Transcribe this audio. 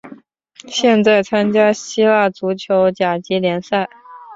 现在参加希腊足球甲级联赛。